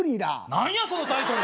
何やそのタイトル。